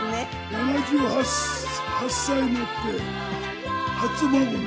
７８歳になって初孫に。